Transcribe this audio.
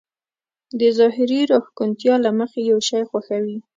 د ظاهري راښکونتيا له مخې يو شی خوښوي.